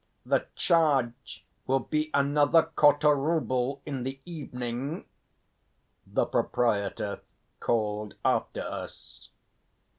"The charge will be another quarter rouble in the evening," the proprietor called after us.